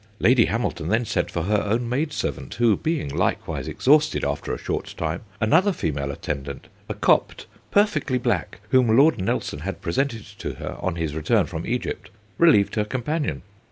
Lady Hamilton then sent for her own maidservant; who, being likewise exhausted, after a short time, another female attendant, a Copt, perfectly black, whom Lord Nelson had presented her, on his return from Egypt, relieved her companion.